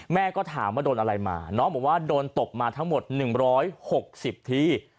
แม่ก็ถามว่าโดนอะไรมาน้องบอกว่าโดนตบมาทั้งหมด๑๖๐ที